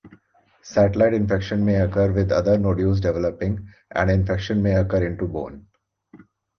Satellite infection may occur with other nodules developing and infection may occur into bone.